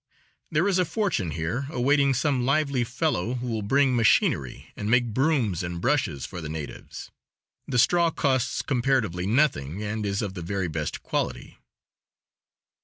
There is a fortune here awaiting some lively fellow who will bring machinery and make brooms and brushes for the natives: the straw costs comparatively nothing, and is of the very best quality.